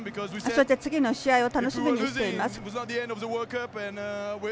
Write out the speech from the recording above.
次の試合を楽しみにしています。